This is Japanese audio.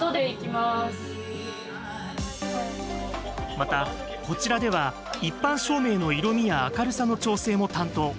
また、こちらでは一般照明の色みや明るさの調整も担当。